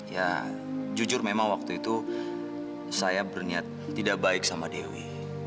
ya jujur memang waktu itu saya berniat tidak baik sama dewi